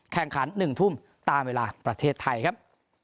แข่งขัน๑ทุ่มตามเวลาประเทศไทยครับ